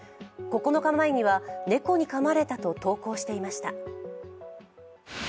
９日前には猫にかまれたと投稿していました。